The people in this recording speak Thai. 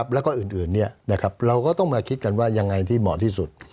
แล้วก็อื่นเราก็ต้องมาคิดกันว่ายังไงที่เหมาะที่สุด